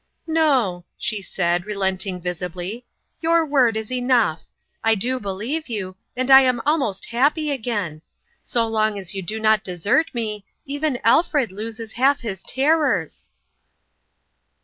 " No," she said, relenting visibly, " your word is enough. I do believe you, and I am almost happy again. So long as you do not desert me, even Alfred loses half his terrors